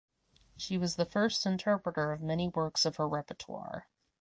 She was the first interpreter of many works of her repertoire.